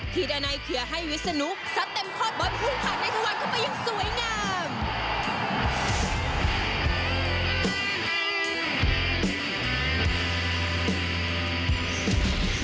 ที่ได้ในเกลือให้วิสนุกซับเต็มพล็อตบอนภูมิผ่านในสวรรค์เข้าไปยังสวยงาม